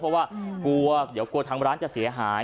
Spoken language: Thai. เพราะกลัวทั้งร้านจะเสียหาย